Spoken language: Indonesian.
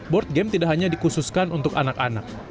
board game tidak hanya dikhususkan untuk anak anak